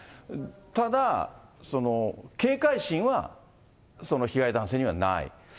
ただ、警戒心はその被害男性にはない。